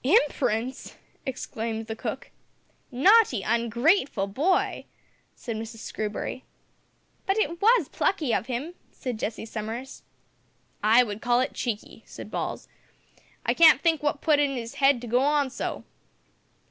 "Imp'rence!" exclaimed the cook. "Naughty, ungrateful boy!" said Mrs Screwbury. "But it was plucky of him," said Jessie Summers. "I would call it cheeky," said Balls, "I can't think what put it into his head to go on so."